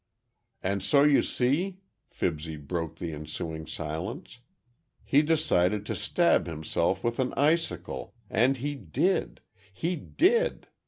"And so you see," Fibsy broke the ensuing silence, "he decided to stab himself with an icicle, and he did. He did!"